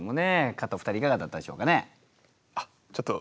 勝った２人いかがだったでしょうかね？